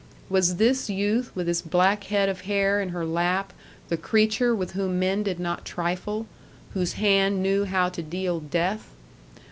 Was this youth with his black head of hair in her lap the creature with whom men did not trifle, whose hand knew how to deal death?